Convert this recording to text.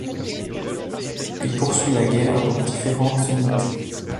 Il poursuit la guerre dans différentes unités.